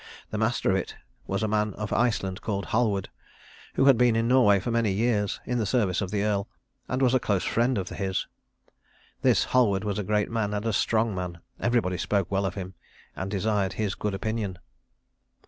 The master of it was a man of Iceland called Halward, who had been in Norway for many years, in the service of the Earl, and was a close friend of his. This Halward was a great man and a strong man; everybody spoke well of him and desired his good opinion.